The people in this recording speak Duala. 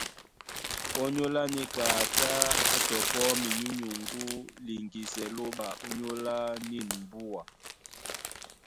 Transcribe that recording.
Ònyólá níka a tá á tɔpɔ́ minyúnyuŋgú liŋgisɛ Lóɓa ónyólá nîn mbúa.